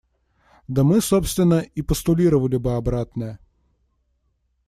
Да мы, собственно, и постулировали бы обратное.